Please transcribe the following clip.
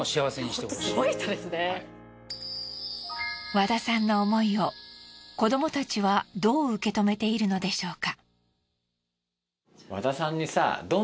和田さんの思いを子どもたちはどう受け止めているのでしょうか？